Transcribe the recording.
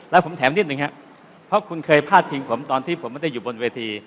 แล้วผมถามนิดนึงครับเพราะคุณเคยพาดพิงผมตอนที่ผมไม่ได้อยู่บนเวที